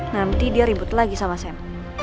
nanti dia ribut lagi sama sam